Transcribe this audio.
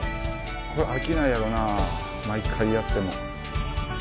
これ飽きないやろうなあ、毎回やっても。